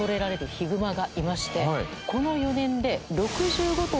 この４年で。